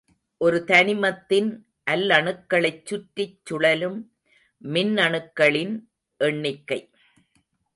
ஒரு தனிமத்தின் அல்லணுக்களைச் சுற்றிச் சுழலும் மின்னணுக்களின் எண்ணிக்கை.